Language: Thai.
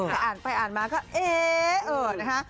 ใครอ่านไปอ่านมาก็เอ๊ะ